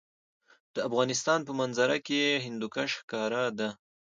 د افغانستان په منظره کې هندوکش ښکاره ده.